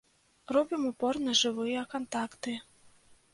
Робім упор на жывыя кантакты.